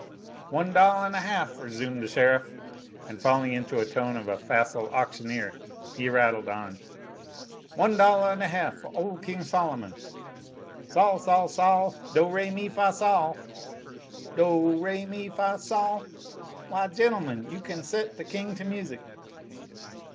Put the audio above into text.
"One dollah an' a half," resumed the sheriff, and falling into the tone of a facile auctioneer he rattled on: "One dollah an' a half foh ole Sol'mon sol, sol, sol, do, re, mi, fa, sol, do, re, mi, fa, sol! Why, gentlemen, you can set the king to music!"